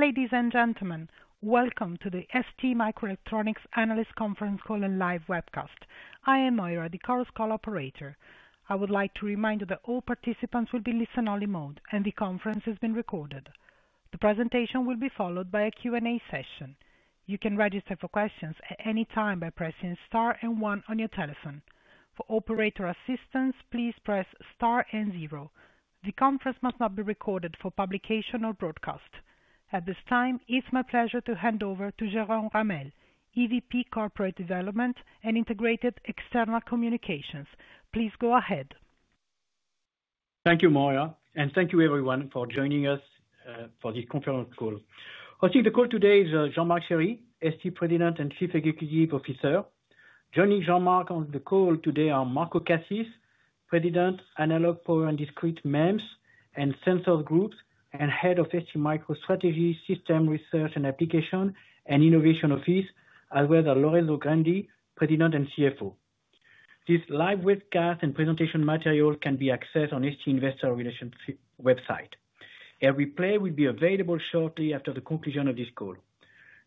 Ladies and gentlemen, welcome to the STMicroelectronics Analysts Conference Call and Live Webcast. I am Maira deCors, Call Operator. I would like to remind you that all participants will be in listen-only mode and the conference is being recorded. The presentation will be followed by a Q&A session. You can register for questions at any time by pressing Star and 1 on your telephone. For operator assistance, please press Star and 0. The conference must not be recorded for publication or broadcast. At this time, it is my pleasure to hand over to Jérôme Rammel, EVP Corporate Development and Integrated External Communications. Please go ahead. Thank you, Maira, and thank you, everyone, for joining us for this conference call. Hosting the call today is Jean-Marc Chery, ST President and Chief Executive Officer. Joining Jean-Marc on the call today are Marco Cassis, President, Analog Power and Discrete MEMS and Sensors Group, and Head of STMicro Strategy, System Research and Application and Innovation Office, as well as Lorenzo Grandi, President and CFO. This live webcast and presentation material can be accessed on the ST Investor Relations website. A replay will be available shortly after the conclusion of this call.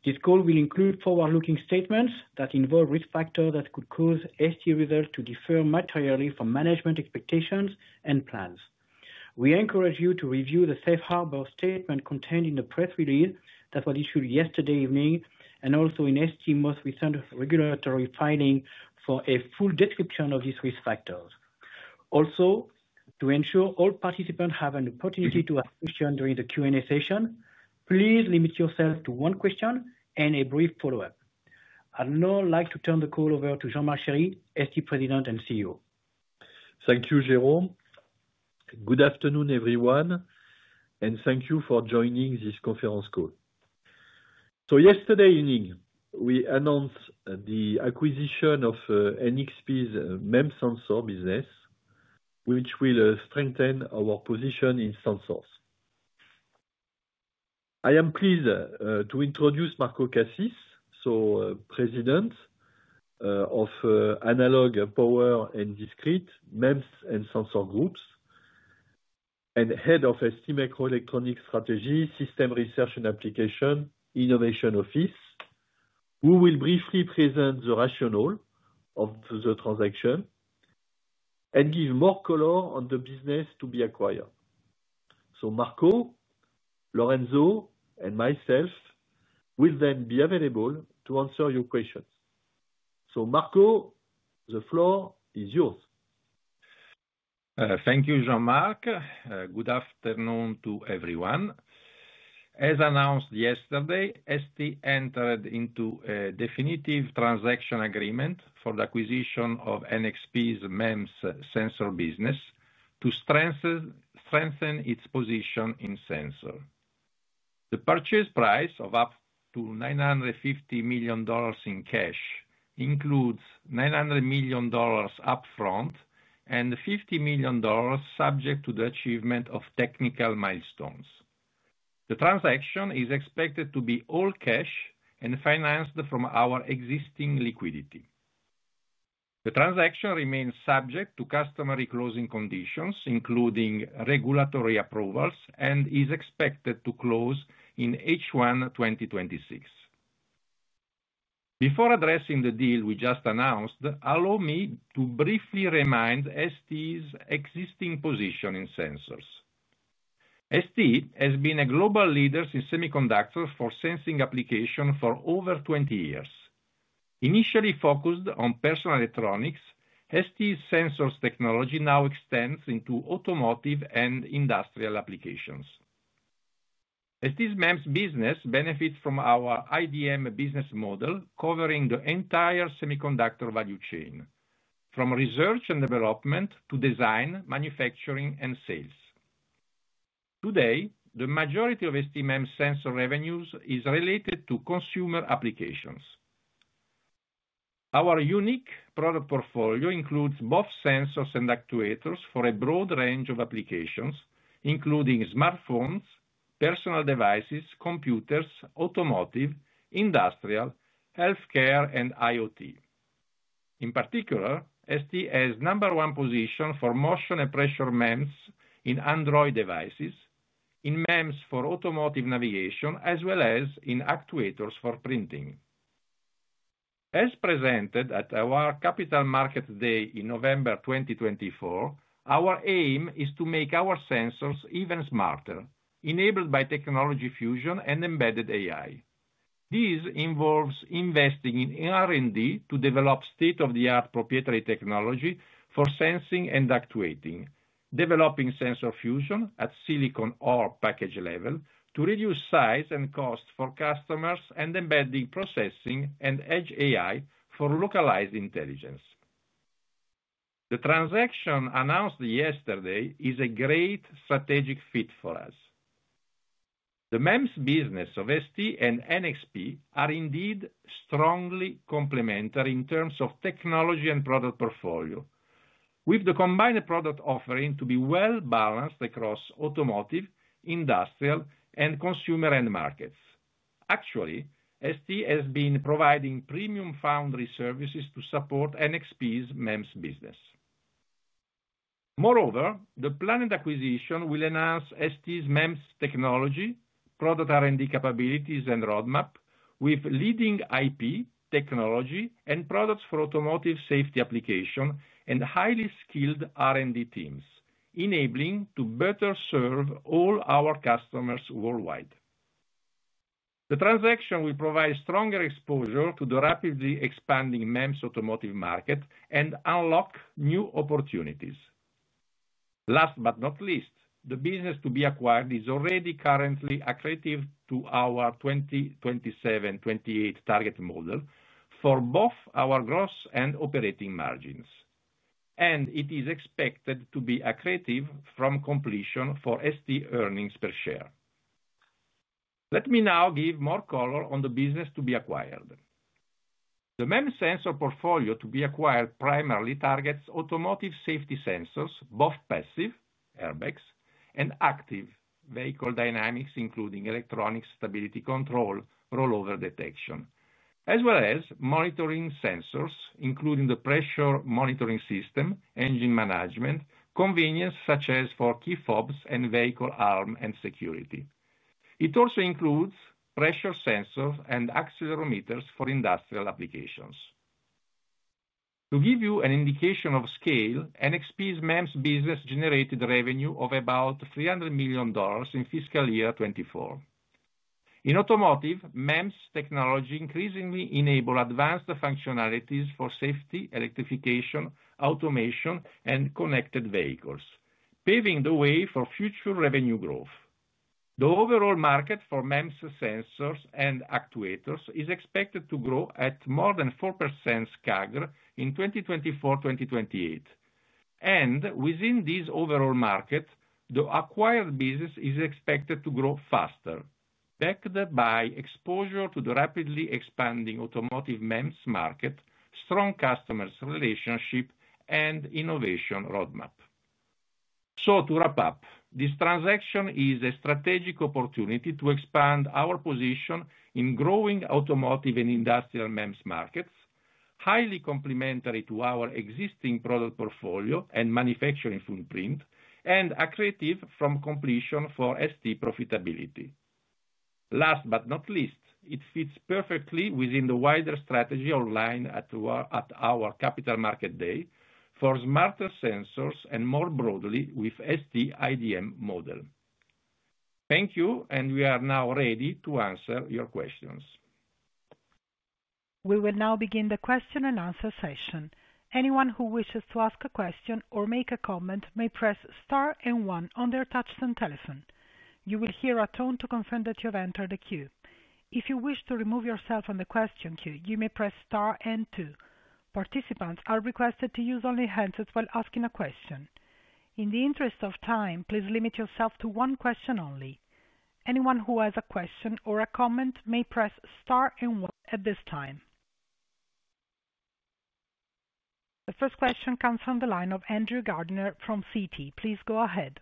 This call will include forward-looking statements that involve risk factors that could cause ST results to differ materially from management expectations and plans. We encourage you to review the Safe Harbor statement contained in the press release that was issued yesterday evening and also in STM's recent regulatory filing for a full description of these risk factors. Also, to ensure all participants have an opportunity to ask questions during the Q&A session, please limit yourself to one question and a brief follow-up. I'd now like to turn the call over to Jean-Marc Chery, ST President and CEO. Thank you, Jérôme. Good afternoon, everyone, and thank you for joining this conference call. Yesterday evening, we announced the acquisition of NXP's MEMS sensor business, which will strengthen our position in sensors. I am pleased to introduce Marco Cassis, President of Analog Power and Discrete MEMS and Sensor Group and Head of STMicroelectronics Strategy, System Research and Application Innovation Office, who will briefly present the rationale of the transaction and give more color on the business to be acquired. Marco, Lorenzo, and myself will then be available to answer your questions. Marco, the floor is yours. Thank you, Jean-Marc. Good afternoon to everyone. As announced yesterday, ST entered into a definitive transaction agreement for the acquisition of NXP's MEMS sensor business to strengthen its position in sensor. The purchase price of up to $950 million in cash includes $900 million upfront and $50 million subject to the achievement of technical milestones. The transaction is expected to be all cash and financed from our existing liquidity. The transaction remains subject to customary closing conditions, including regulatory approvals, and is expected to close in H1 2026. Before addressing the deal we just announced, allow me to briefly remind ST's existing position in sensors. ST has been a global leader in semiconductors for sensing applications for over 20 years. Initially focused on personal electronics, ST's sensors technology now extends into automotive and industrial applications. ST's MEMS business benefits from our IDM business model covering the entire semiconductor value chain, from research and development to design, manufacturing, and sales. Today, the majority of ST MEMS sensor revenues is related to consumer applications. Our unique product portfolio includes both sensors and actuators for a broad range of applications, including smartphones, personal devices, computers, automotive, industrial, healthcare, and IoT. In particular, ST has a number one position for motion and pressure MEMS in Android devices, in MEMS for automotive navigation, as well as in actuators for printing. As presented at our Capital Markets Day in November 2024, our aim is to make our sensors even smarter, enabled by technology fusion and embedded AI. This involves investing in R&D to develop state-of-the-art proprietary technology for sensing and actuating, developing sensor fusion at silicon or package level to reduce size and cost for customers and embedding processing and edge AI for localized intelligence. The transaction announced yesterday is a great strategic fit for us. The MEMS business of ST and NXP are indeed strongly complementary in terms of technology and product portfolio, with the combined product offering to be well-balanced across automotive, industrial, and consumer end markets. Actually, ST has been providing premium foundry services to support NXP's MEMS business. Moreover, the planned acquisition will enhance ST's MEMS technology, product R&D capabilities, and roadmap with leading IP technology and products for automotive safety application and highly skilled R&D teams, enabling us to better serve all our customers worldwide. The transaction will provide stronger exposure to the rapidly expanding MEMS automotive market and unlock new opportunities. Last but not least, the business to be acquired is already currently accretive to our 2027-2028 target model for both our gross and operating margins, and it is expected to be accretive from completion for ST earnings per share. Let me now give more color on the business to be acquired. The MEMS sensor portfolio to be acquired primarily targets automotive safety sensors, both passive (airbags) and active (vehicle dynamics, including electronic stability control, rollover detection), as well as monitoring sensors, including the pressure monitoring system, engine management, convenience such as for key fobs and vehicle arm and security. It also includes pressure sensors and accelerometers for industrial applications. To give you an indication of scale, NXP's MEMS business generated revenue of about $300 million in fiscal year 2024. In automotive, MEMS technology increasingly enables advanced functionalities for safety, electrification, automation, and connected vehicles, paving the way for future revenue growth. The overall market for MEMS sensors and actuators is expected to grow at more than 4% CAGR in 2024-2028. Within this overall market, the acquired business is expected to grow faster, backed by exposure to the rapidly expanding automotive MEMS market, strong customer relationships, and innovation roadmap. To wrap up, this transaction is a strategic opportunity to expand our position in growing automotive and industrial MEMS markets, highly complementary to our existing product portfolio and manufacturing footprint, and accretive from completion for ST profitability. Last but not least, it fits perfectly within the wider strategy outlined at our Capital Markets Day for smarter sensors and more broadly with the ST IDM model. Thank you, and we are now ready to answer your questions. We will now begin the question-and-answer session. Anyone who wishes to ask a question or make a comment may press Star and 1 on their touchscreen telephone. You will hear a tone to confirm that you have entered the queue. If you wish to remove yourself from the question queue, you may press Star and 2. Participants are requested to use only handsets while asking a question. In the interest of time, please limit yourself to one question only. Anyone who has a question or a comment may press Star and 1 at this time. The first question comes from the line of Andrew Gardiner from CT. Please go ahead.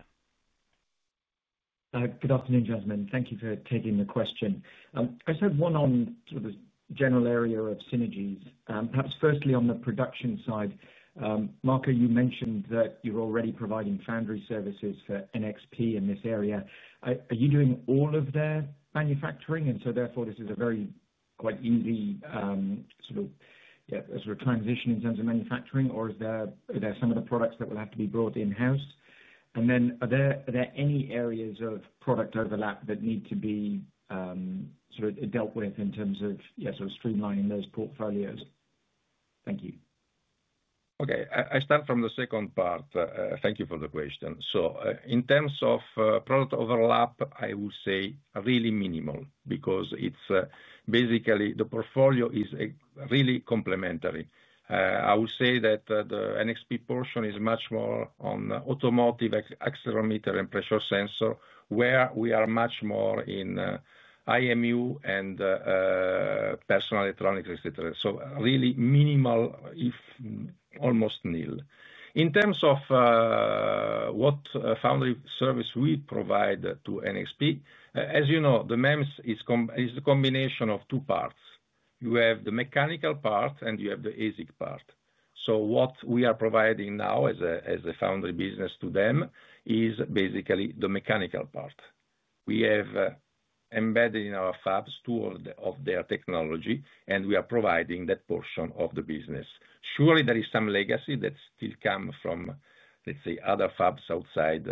Good afternoon, Jasmine. Thank you for taking the question. I just had one on sort of the general area of synergies, perhaps firstly on the production side. Marco, you mentioned that you're already providing foundry services for NXP in this area. Are you doing all of their manufacturing? Therefore, this is a very quite easy, sort of, yeah, sort of transition in terms of manufacturing, or are there some of the products that will have to be brought in-house? Then, are there any areas of product overlap that need to be, sort of, dealt with in terms of, yeah, sort of streamlining those portfolios? Thank you. Okay, I start from the second part. Thank you for the question. In terms of product overlap, I will say really minimal because it's basically the portfolio is really complementary. I will say that the NXP portion is much more on automotive accelerometer and pressure sensor, where we are much more in IMU and personal electronics, et cetera. Really minimal, if almost nil. In terms of what foundry service we provide to NXP, as you know, the MEMS is a combination of two parts. You have the mechanical part and you have the ASIC part. What we are providing now as a foundry business to them is basically the mechanical part. We have embedded in our fabs two of their technology, and we are providing that portion of the business. Surely, there is some legacy that still comes from, let's say, other fabs outside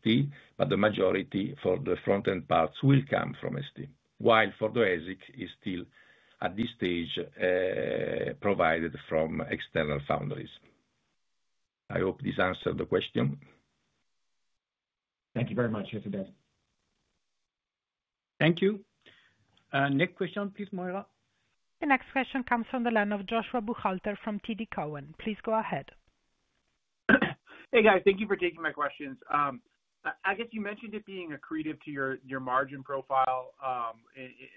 ST, but the majority for the front-end parts will come from ST, while for the ASIC is still, at this stage, provided from external foundries. I hope this answered the question. Thank you very much, Jérôme Ramel. Thank you. Next question, please, Maira. The next question comes from the line of Joshua Buchalter from TD Cowen. Please go ahead. Hey, guys. Thank you for taking my questions. I guess you mentioned it being accretive to your margin profile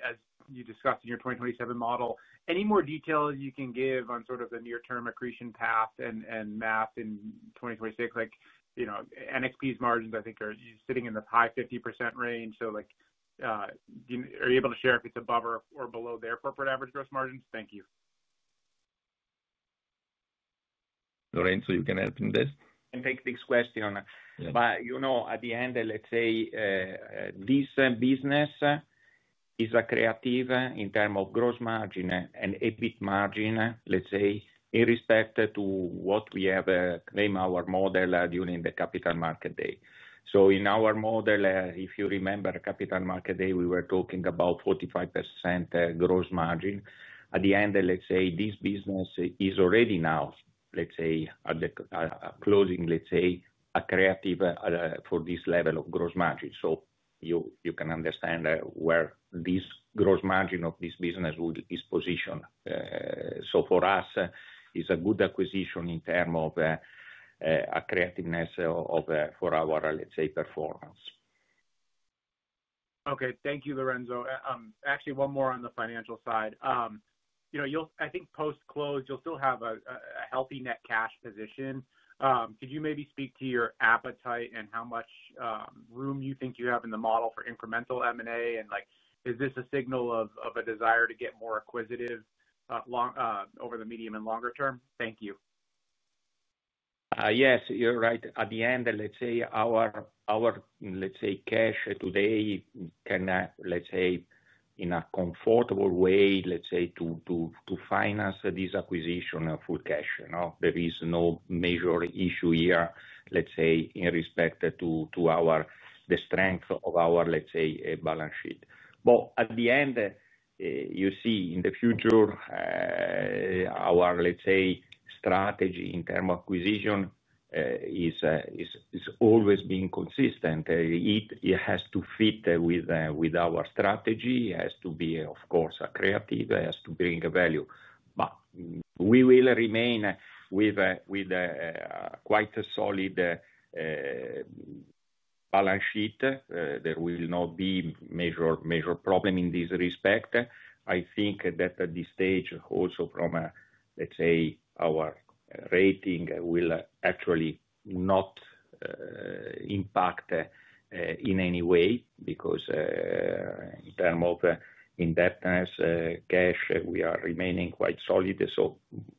as you discussed in your 2027 model. Any more detail you can give on sort of the near-term accretion path and math in 2026? Like, you know, NXP's margins, I think, are sitting in the high 50% range. Like, are you able to share if it's above or below their corporate average gross margins? Thank you. Lorenzo, you can add to this. Fantastic question. But, you know, at the end, let's say. This business is accretive in terms of gross margin and EBIT margin, let's say, in respect to what we have claimed our model during the Capital Markets Day. So, in our model, if you remember, Capital Markets Day, we were talking about 45% gross margin. At the end, let's say, this business is already now, let's say, at the closing, let's say, accretive for this level of gross margin. So, you can understand where this gross margin of this business is positioned. So, for us, it's a good acquisition in terms of accretiveness for our, let's say, performance. Okay, thank you, Lorenzo. Actually, one more on the financial side. You know, I think post-close, you'll still have a healthy net cash position. Could you maybe speak to your appetite and how much room you think you have in the model for incremental M&A? Like, is this a signal of a desire to get more acquisitive over the medium and longer term? Thank you. Yes, you're right. At the end, let's say, our cash today can, let's say, in a comfortable way, finance this acquisition full cash. There is no major issue here, let's say, in respect to the strength of our balance sheet. At the end, you see, in the future, our strategy in terms of acquisition is always being consistent. It has to fit with our strategy. It has to be, of course, accretive. It has to bring value. We will remain with quite a solid balance sheet. There will not be major problems in this respect. I think that at this stage, also from, let's say, our rating, will actually not impact in any way because in terms of indebtedness, cash, we are remaining quite solid.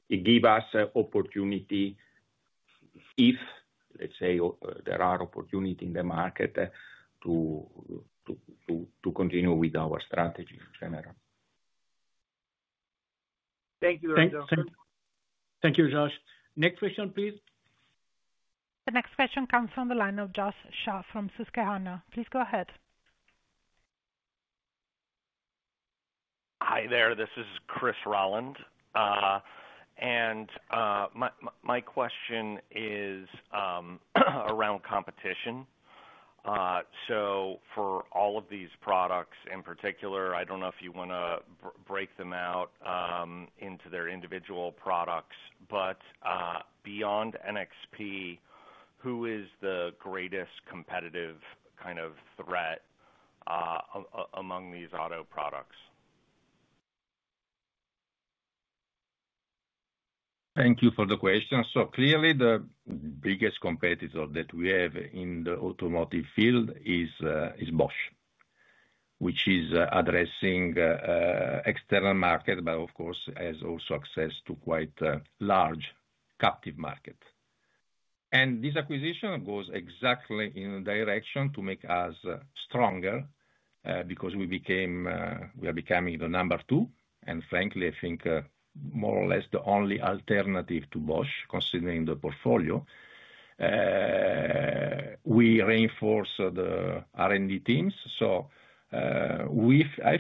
It gives us opportunity if, let's say, there are opportunities in the market to continue with our strategy in general. Thank you, Lorenzo. Thank you, Josh. Next question, please. The next question comes from the line of Josh Shah from Susquehanna. Please go ahead. Hi there. This is Chris Rollen. My question is around competition. For all of these products in particular, I do not know if you want to break them out into their individual products, but beyond NXP, who is the greatest competitive kind of threat among these auto products? Thank you for the question. Clearly, the biggest competitor that we have in the automotive field is Bosch, which is addressing external market, but of course, has also access to quite a large captive market. This acquisition goes exactly in the direction to make us stronger because we became, we are becoming the number two. Frankly, I think more or less the only alternative to Bosch, considering the portfolio. We reinforce the R&D teams. I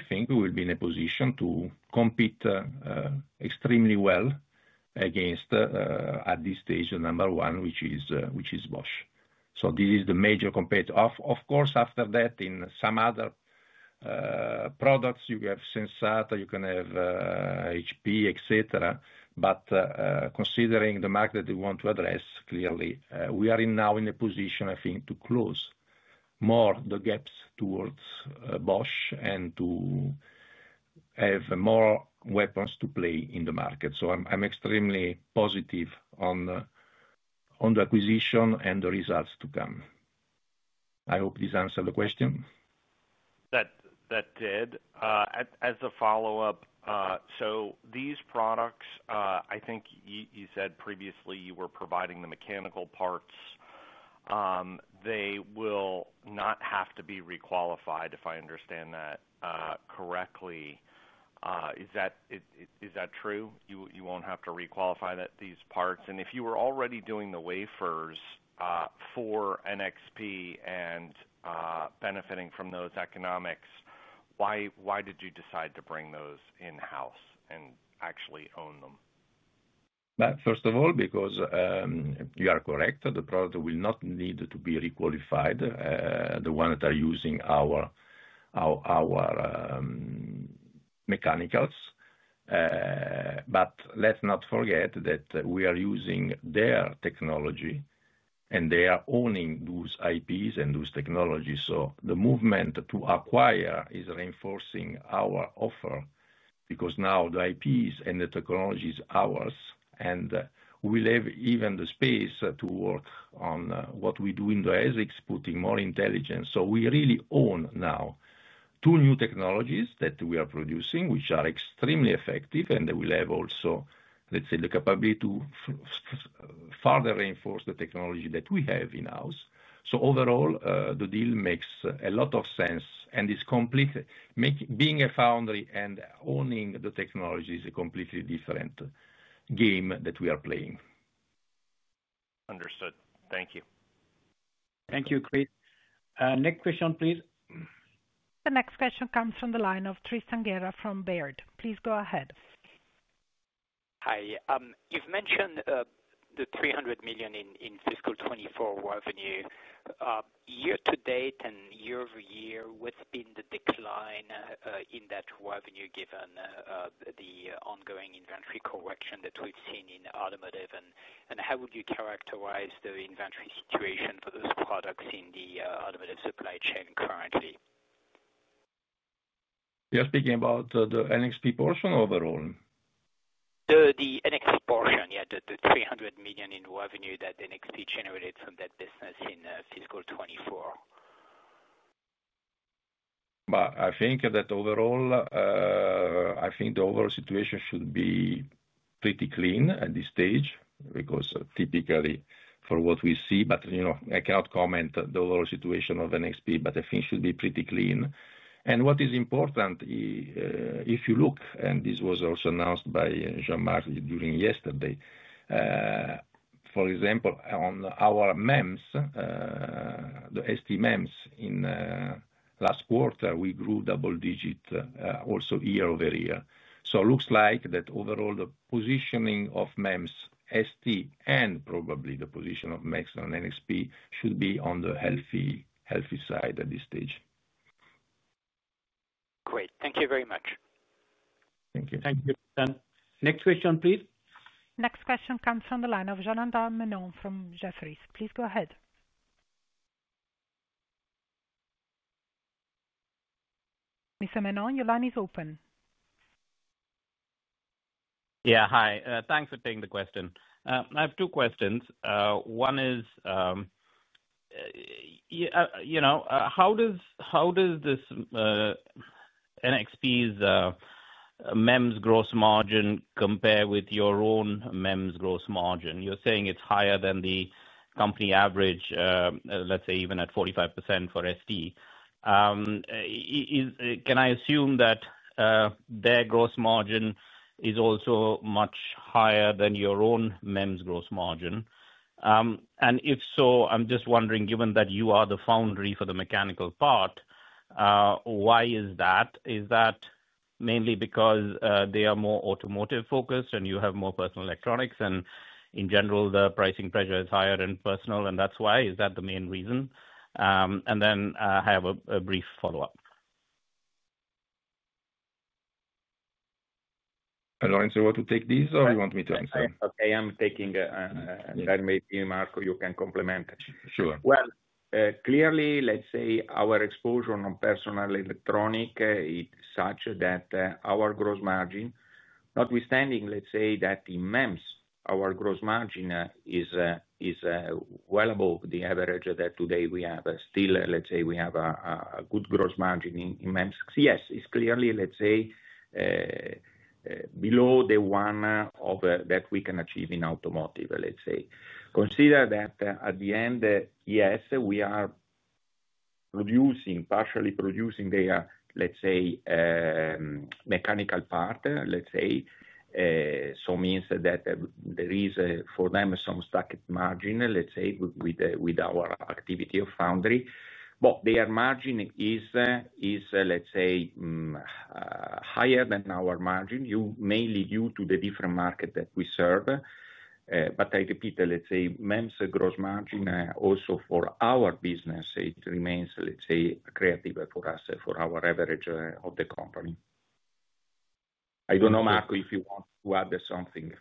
think we will be in a position to compete extremely well against, at this stage, the number one, which is Bosch. This is the major competitor. Of course, after that, in some other products, you have Sensata, you can have HP, et cetera. Considering the market that we want to address, clearly, we are now in a position, I think, to close more the gaps towards Bosch and to have more weapons to play in the market. I am extremely positive on the acquisition and the results to come. I hope this answered the question. That did. As a follow-up, these products, I think you said previously you were providing the mechanical parts. They will not have to be requalified, if I understand that correctly. Is that true? You will not have to requalify these parts. If you were already doing the wafers for NXP and benefiting from those economics, why did you decide to bring those in-house and actually own them? First of all, because you are correct, the product will not need to be requalified. The ones that are using our mechanicals. Let's not forget that we are using their technology and they are owning those IPs and those technologies. The movement to acquire is reinforcing our offer because now the IPs and the technology are ours. We leave even the space to work on what we do in the ASICs, putting more intelligence. We really own now two new technologies that we are producing, which are extremely effective. We have also, let's say, the capability to further reinforce the technology that we have in-house. Overall, the deal makes a lot of sense. Being a foundry and owning the technology is a completely different game that we are playing. Understood. Thank you. Thank you, Chris. Next question, please. The next question comes from the line of Theresa Ngera from Baird. Please go ahead. Hi. You've mentioned the $300 million in fiscal 2024 revenue. Year to date and year over year, what's been the decline in that revenue given the ongoing inventory correction that we've seen in automotive? How would you characterize the inventory situation for those products in the automotive supply chain currently? You're speaking about the NXP portion overall? The NXP portion, yeah, the $300 million in revenue that NXP generated from that business in fiscal 2024. I think that overall, I think the overall situation should be pretty clean at this stage because typically for what we see, but I cannot comment on the overall situation of NXP, but I think it should be pretty clean. What is important, if you look, and this was also announced by Jean-Marc during yesterday. For example, on our MEMS, the ST MEMS in last quarter, we grew double-digit also year over year. It looks like that overall the positioning of MEMS ST and probably the position of MEMS and NXP should be on the healthy side at this stage. Great. Thank you very much. Thank you. Thank you, Jérôme. Next question, please. Next question comes from the line of Jean-André Menon from Jefferies. Please go ahead. Mr. Menon, your line is open. Yeah, hi. Thanks for taking the question. I have two questions. One is, you know, how does this NXP's MEMS gross margin compare with your own MEMS gross margin? You're saying it's higher than the company average, let's say, even at 45% for ST. Can I assume that their gross margin is also much higher than your own MEMS gross margin? If so, I'm just wondering, given that you are the foundry for the mechanical part, why is that? Is that mainly because they are more automotive-focused and you have more personal electronics? In general, the pricing pressure is higher in personal, and that's why? Is that the main reason? I have a brief follow-up. Lorenzo, want to take these or you want me to answer? Okay, I'm taking it. And then maybe Marco you can complement. Sure. Clearly, let's say our exposure on personal electronics, it's such that our gross margin, notwithstanding, let's say, that in MEMS, our gross margin is valuable. The average that today we have still, let's say, we have a good gross margin in MEMS. Yes, it's clearly, let's say, below the one that we can achieve in automotive, let's say. Consider that at the end, yes, we are producing, partially producing their, let's say, mechanical part, let's say. So means that there is for them some stock margin, let's say, with our activity of foundry. Their margin is, let's say, higher than our margin, mainly due to the different market that we serve. I repeat, let's say, MEMS gross margin also for our business, it remains, let's say, accretive for us, for our average of the company. I don't know, Marco, if you want to add something.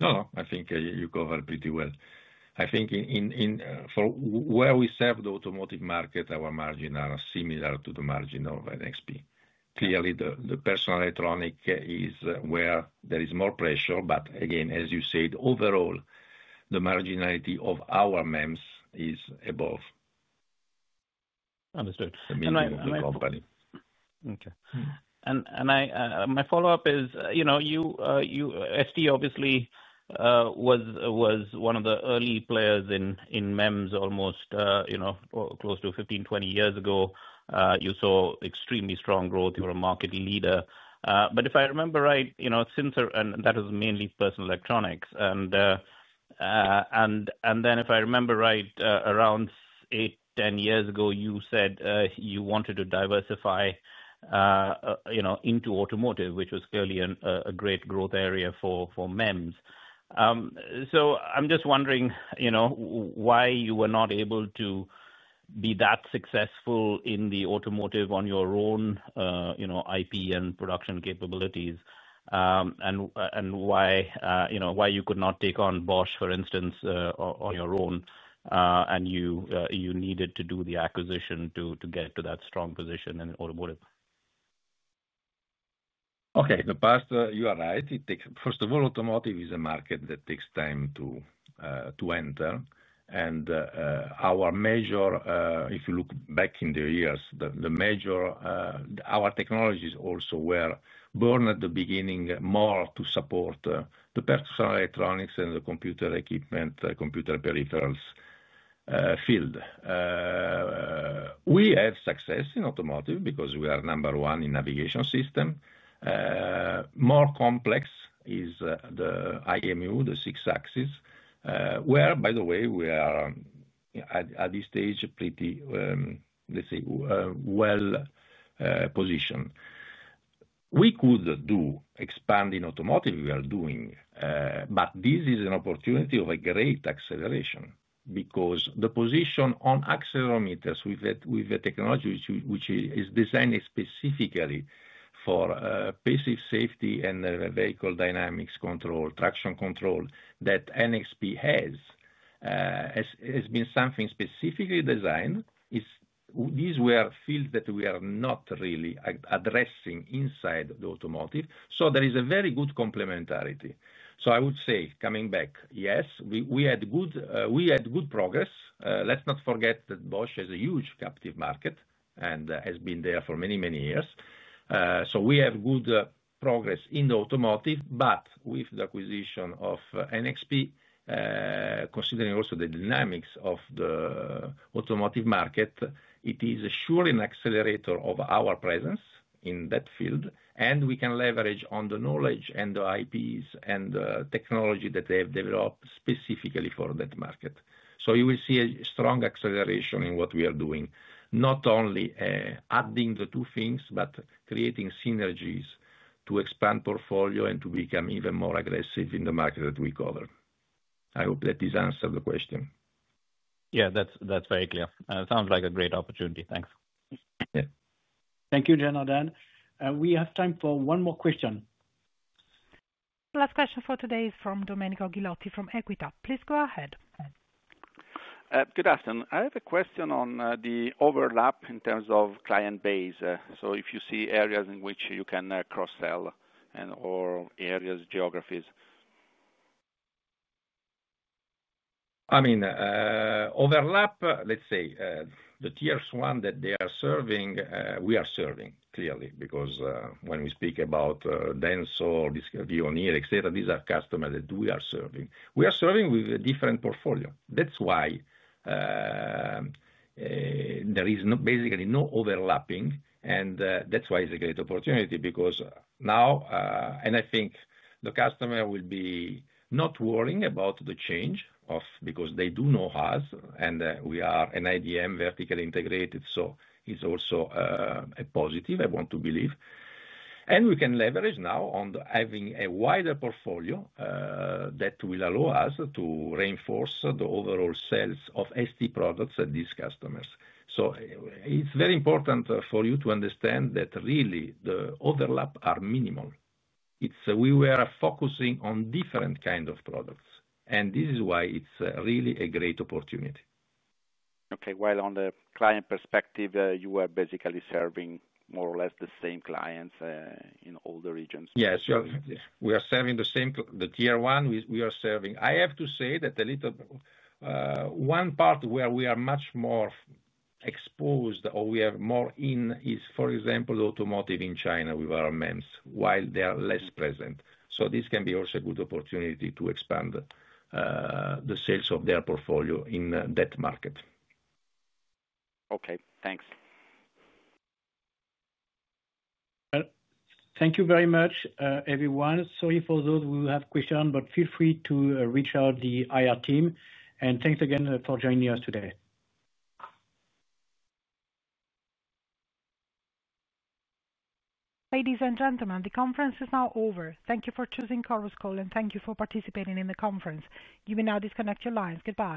No, no, I think you covered pretty well. I think for where we serve the automotive market, our margin are similar to the margin of NXP. Clearly, the personal electronics is where there is more pressure. Again, as you said, overall, the marginality of our MEMS is above. Understood. The company. Okay. And my follow-up is, you know, ST obviously was one of the early players in MEMS almost, you know, close to 15, 20 years ago. You saw extremely strong growth. You were a market leader. If I remember right, you know, since, and that was mainly personal electronics. And then if I remember right, around 8, 10 years ago, you said you wanted to diversify into automotive, which was clearly a great growth area for MEMS. I'm just wondering, you know, why you were not able to be that successful in the automotive on your own, you know, IP and production capabilities. And why you could not take on Bosch, for instance, on your own, and you needed to do the acquisition to get to that strong position in automotive? Okay, the past, you are right. First of all, automotive is a market that takes time to enter. Our major, if you look back in the years, the major, our technologies also were born at the beginning more to support the personal electronics and the computer equipment, computer peripherals field. We have success in automotive because we are number one in navigation system. More complex is the IMU, the six axes. Where, by the way, we are, at this stage, pretty, let's say, well-positioned. We could do expanding automotive, we are doing. This is an opportunity of a great acceleration because the position on accelerometers with the technology which is designed specifically for passive safety and vehicle dynamics control, traction control that NXP has, has been something specifically designed. These were fields that we are not really addressing inside the automotive. There is a very good complementarity. I would say, coming back, yes, we had good progress. Let's not forget that Bosch has a huge captive market and has been there for many, many years. We have good progress in the automotive, but with the acquisition of NXP, considering also the dynamics of the automotive market, it is surely an accelerator of our presence in that field. We can leverage on the knowledge and the IPs and the technology that they have developed specifically for that market. You will see a strong acceleration in what we are doing, not only adding the two things, but creating synergies to expand portfolio and to become even more aggressive in the market that we cover. I hope that this answered the question. Yeah, that's very clear. Sounds like a great opportunity. Thanks. Yeah. Thank you, Jean-Marc. We have time for one more question. Last question for today is from Domenico Gualotti from Equita. Please go ahead. Good afternoon. I have a question on the overlap in terms of client base. So if you see areas in which you can cross-sell and/or areas, geographies. I mean. Overlap, let's say, the tier one that they are serving, we are serving clearly because when we speak about Denso or Veoneer, et cetera, these are customers that we are serving. We are serving with a different portfolio. That is why. There is basically no overlapping. That is why it is a great opportunity because now, and I think the customer will be not worrying about the change because they do know us. We are an IDM vertically integrated. It is also a positive, I want to believe. We can leverage now on having a wider portfolio that will allow us to reinforce the overall sales of ST products at these customers. It is very important for you to understand that really the overlaps are minimal. We were focusing on different kinds of products. This is why it is really a great opportunity. Okay, while on the client perspective, you are basically serving more or less the same clients in all the regions. Yes, we are serving the same, the tier one, we are serving. I have to say that a little. One part where we are much more exposed or we are more in is, for example, the automotive in China with our MEMS, while they are less present. This can be also a good opportunity to expand the sales of their portfolio in that market. Okay, thanks. Thank you very much, everyone. Sorry for those who have questions, but feel free to reach out to the IR team. Thanks again for joining us today. Ladies and gentlemen, the conference is now over. Thank you for choosing Chorus Call and thank you for participating in the conference. You may now disconnect your lines. Goodbye.